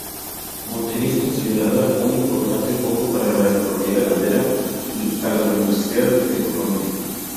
Montería es considerada un importante foco para la economía ganadera y agroindustrial de Colombia.